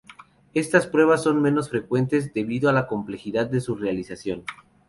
Estas pruebas son menos frecuentes debido a la complejidad de su realización.